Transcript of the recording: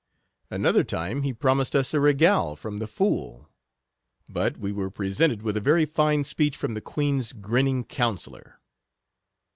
Another time he promised us a regale from the fool ; but we were presented with a very fine speech from the queen's grinning counsellor.